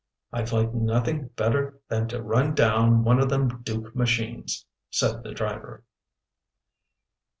"I'd like nothing better than to run down one o' them Dook machines!" said the driver.